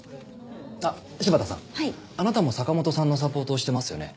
あっ柴田さんあなたも坂本さんのサポートをしてますよね。